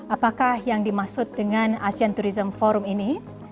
apakah yang dimaksud dengan asean tourism forum ini